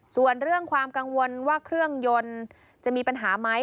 ส่วนเรื่องความกังวลว่าเครื่องยนต์จะมีปัญหาไหม